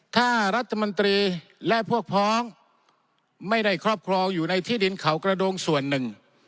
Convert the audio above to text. ถ้ารัฐมนตรีและพวกพ้องไม่ได้ครอบครองอยู่ในที่ดินเขากระดงส่วนหนึ่ง